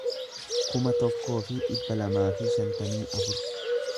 kuma tokkoo fi dhibba lamaa fi shantamii afur